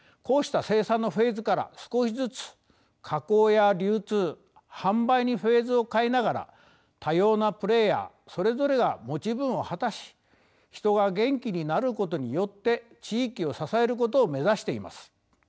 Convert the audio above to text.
こうした生産のフェーズから少しずつ加工や流通販売にフェーズを変えながら多様なプレーヤーそれぞれが持ち分を果たし人が元気になることによって地域を支えることを目指しています。